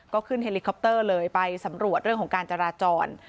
ก็ขึ้นเฮลิคอปเตอร์เลยไปสำรวจเรื่องของการจราจร